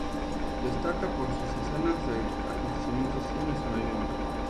Destaca por sus escenas de acontecimientos sociales al aire libre.